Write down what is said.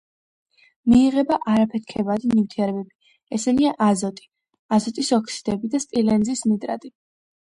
მიიღება არაფეთქებადი ნივთიერებები, ესენია: აზოტი, აზოტის ოქსიდები და სპილენძის ნიტრატი.